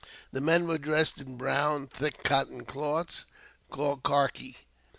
The men were dressed in brown, thick cotton cloth, called karkee.